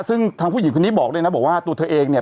ซึ่งทางผู้หญิงคนนี้บอกด้วยนะบอกว่าตัวเธอเองเนี่ย